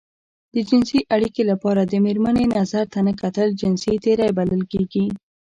د جنسي اړيکې لپاره د مېرمنې نظر ته نه کتل جنسي تېری بلل کېږي.